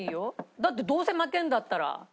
だってどうせ負けるんだったら。